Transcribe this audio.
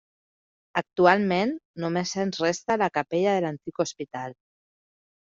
Actualment només ens resta la capella de l'antic hospital.